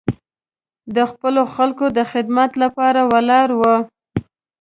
د خپلو خلکو د خدمت لپاره ولاړ و.